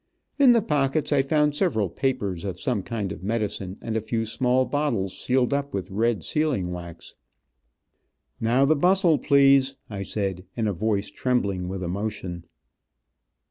In the pockets I found several papers of some kind of medicine, and a few small bottles, sealed up with red sealing wax. "Now, the bustle, please, I said, in a voice trembling with emotion.